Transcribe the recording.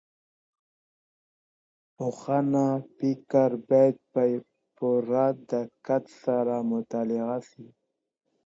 پخواني افکار بايد په پوره دقت سره مطالعه سي.